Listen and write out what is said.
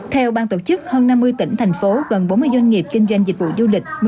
theo ban tổ chức hơn năm mươi tỉnh thành phố gần bốn mươi doanh nghiệp kinh doanh dịch vụ du lịch